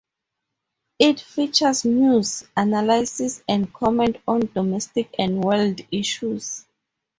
It features news, analysis and comment on domestic and world issues.